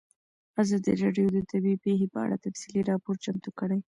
ازادي راډیو د طبیعي پېښې په اړه تفصیلي راپور چمتو کړی.